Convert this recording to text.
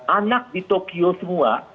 anak di tokyo semua